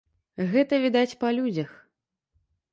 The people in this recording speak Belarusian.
Гэта відаць па людзях.